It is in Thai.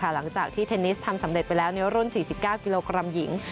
หลังจากที่เทนนิสทำสำเร็จไปแล้วในรุ่น๔๙กิโลกรัมหญิง